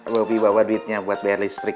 bobi bawa duitnya buat bayar listrik